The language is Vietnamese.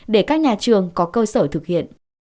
để các nhà trường có cơ sở thực hiện